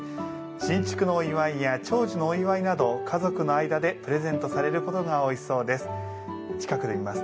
新築のお祝いや長寿のお祝いなど家族の間でプレゼントされることが多いそうです。